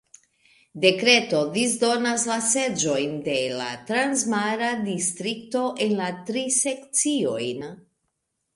Dekreto disdonas la seĝojn de la transmara distrikto en la tri sekciojn.